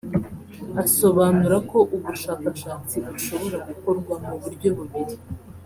Asobanura ko ubushakashatsi bushobora gukorwa mu buryo bubiri